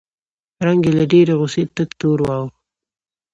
رنګ یې له ډېرې غوسې تک تور واوښت